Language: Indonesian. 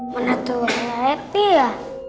mana tuh repi ya